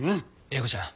英子ちゃん